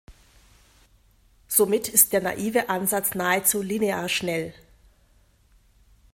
Somit ist der naive Ansatz nahezu linear schnell.